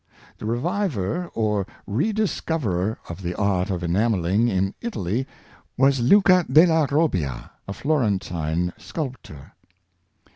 The reviver or re discoverer of the art of enamelHng in Italy was Luca della Robbia, a Florentine sculptor.